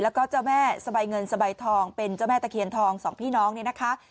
แล้วก็เจ้าแม่สบายเงินสบายทองเป็นเจ้าแม่ตะเคียนทองสองพี่น้องเนี่ยนะคะ